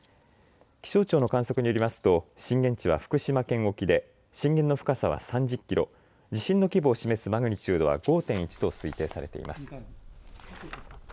気象庁の観測によりますと震源地は福島県沖で震源の深さは３０キロ、地震の規模を示すマグニチュードは５．１と推定されています。